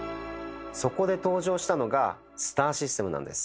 そこで登場したのが「スターシステム」なんです。